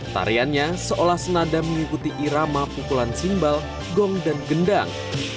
tariannya seolah senada mengikuti irama pukulan simbal gong dan gendang